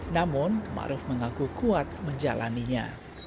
namun ma'ruf mengaku kuat menjalannya